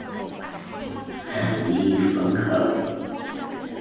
Hà ni phấn khởi